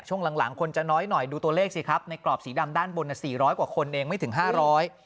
ช่วงหลังหลังคนจะน้อยหน่อยดูตัวเลขสิครับในกรอบสีดำด้านบนน่ะสี่ร้อยกว่าคนเองไม่ถึงห้าร้อย